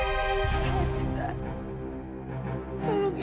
ibu saya gak ngerti